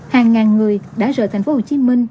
hàng ngàn người đã rời thành phố hồ chí minh